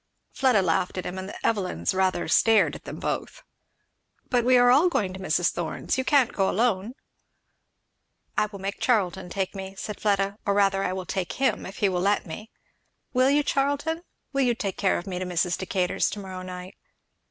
Fleda laughed at him, and the Evelyns rather stared at them both. "But we are all going to Mrs. Thorn's? you can't go alone?" "I will make Charlton take me," said Fleda, "or rather I will take him, if he will let me. Will you, Charlton? will you take care of me to Mrs. Decatur's to morrow night?"